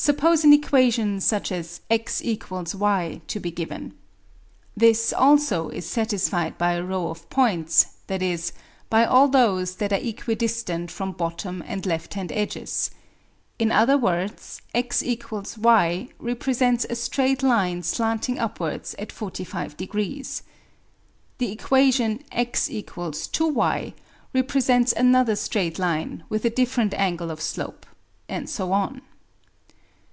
Suppose an equation such as x = y to be given. This also is satisfied by a row of points, viz. by all those that are equidistant from bottom and left hand edges. In other words, x = y represents a straight line slanting upwards at 45°. The equation x = 2_y_ represents another straight line with a different angle of slope, and so on.